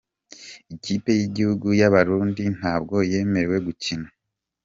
Ikipe y’igihugu y’Abarundi ntabwo yemerewe gukina